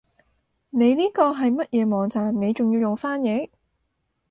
你呢個係乜嘢網站你仲要用翻譯